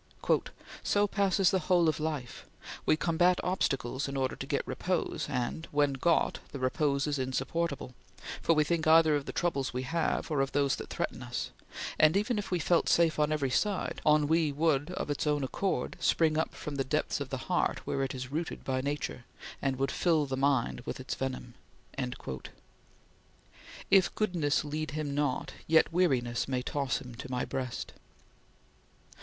"So passes the whole of life. We combat obstacles in order to get repose, and, when got, the repose is insupportable; for we think either of the troubles we have, or of those that threaten us; and even if we felt safe on every side, ennui would of its own accord spring up from the depths of the heart where it is rooted by nature, and would fill the mind with its venom." "If goodness lead him not, yet weariness May toss him to My breast."